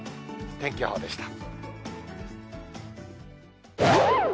天気予報でした。